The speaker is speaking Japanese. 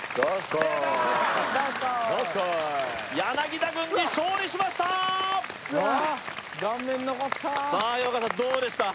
柳田軍に勝利しましたさあ山川さんどうでした？